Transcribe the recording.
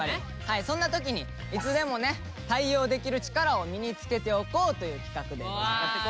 そんな時にいつでもね対応できる力を身につけておこうという企画で。